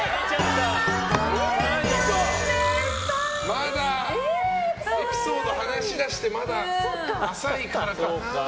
まだ、エピソードを話し出して浅いからかな。